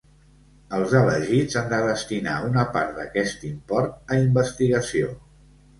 Els elegits han de destinar una part d’aquest import a investigació.